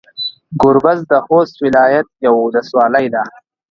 ګوربز د خوست ولايت يوه ولسوالي ده.